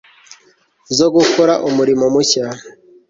zo gukora umurimo mushya